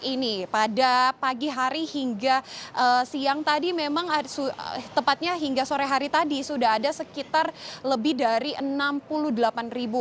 ini pada pagi hari hingga siang tadi memang tepatnya hingga sore hari tadi sudah ada sekitar lebih dari enam puluh delapan ribu